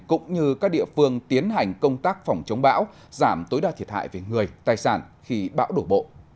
cũng như các địa phương tiến hành công tác phòng chống bão giảm tối đa thiệt hại về người tài sản khi bão đổ bộ